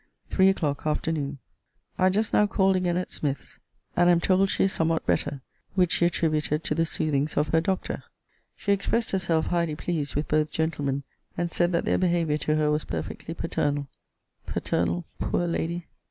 THREE O'CLOCK, AFTERNOON. I just now called again at Smith's; and am told she is somewhat better; which she attributed to the soothings of her Doctor. She expressed herself highly pleased with both gentlemen; and said that their behaviour to her was perfectly paternal. Paternal, poor lady!